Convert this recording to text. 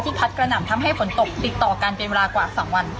พัดกระหน่ำทำให้ฝนตกติดต่อกันเป็นเวลากว่า๒วัน